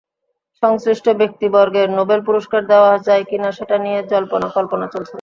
সংশ্লিষ্ট ব্যক্তিবর্গদের নোবেল পুরস্কার দেওয়া যায় কিনা সেটা নিয়ে জল্পনা কল্পনা চলছে!